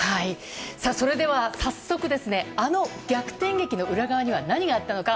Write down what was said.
それでは早速あの逆転劇の裏側には何があったのか。